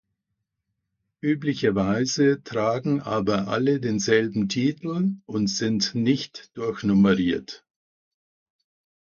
Üblicherweise tragen aber alle denselben Titel und sind nicht durchnummeriert.